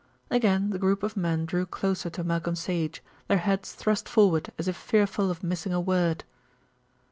Again the group of men drew closer to Malcolm Sage, their heads thrust forward as if fearful of missing a word.